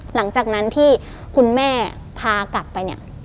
หลังจากนั้นที่คุณแม่พากลับไปเนี่ย